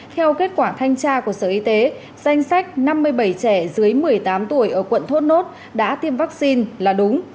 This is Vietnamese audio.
theo kết quả thanh tra của sở y tế danh sách năm mươi bảy trẻ dưới một mươi tám tuổi ở quận thốt nốt đã tiêm vaccine là đúng